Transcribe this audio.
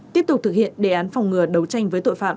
tiếp tục thực hiện đề án phòng ngừa đấu tranh với tội phạm